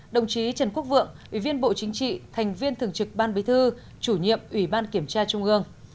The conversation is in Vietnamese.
đồng chí trần quốc vượng ủy viên bộ chính trị thành viên thường trực ban bí thư chủ nhiệm ủy ban kiểm tra trung ương